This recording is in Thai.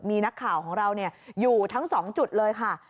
มีนักข่าวของเราอยู่ทั้ง๒จุดเลยค่ะ